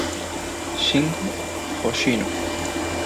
Shingo Hoshino